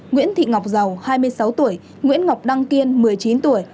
nguyễn thị ngọc dầu hai mươi sáu tuổi nguyễn ngọc đăng kiên một mươi chín tuổi